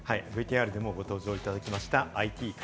ＶＴＲにもご登場いただきました。